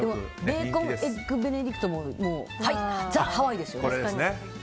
ベーコンエッグベネディクトもザ・ハワイですよね。